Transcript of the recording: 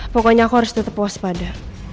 pokoknya aku harus tetap waspada